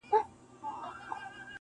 هر څه ته د غم سترګو ګوري او فکر کوي,